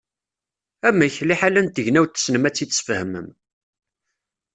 Amek, liḥala n tegnawt tessnem ad tt-id-tesfehmem.